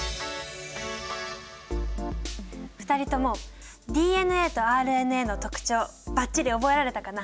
２人ともＤＮＡとＲＮＡの特徴バッチリ覚えられたかな？